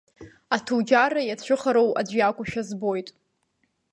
Аҭуџьарра иацәыхароу аӡә иакәушәа збоит…